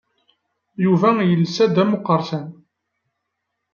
Yuba yelsa-d am uqerṣan.